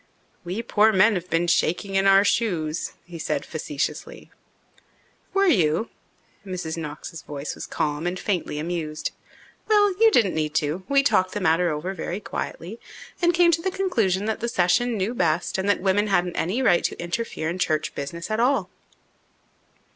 "We poor men have been shaking in our shoes," he said facetiously. "Were you?" Mrs. Knox's voice was calm and faintly amused. "Well, you didn't need to. We talked the matter over very quietly and came to the conclusion that the session knew best and that women hadn't any right to interfere in church business at all."